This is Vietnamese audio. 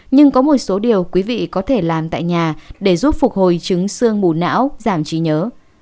nhưng có một số điều quý vị có thể làm tại nhà để giúp phục hồi chứng sương mù não giảm trí nhớ